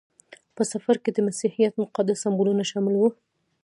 په سفر کې د مسیحیت مقدس سمبولونه شامل وو.